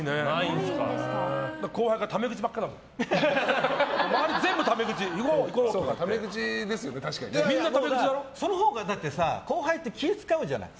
でも、そのほうがだって後輩って気を使うじゃない。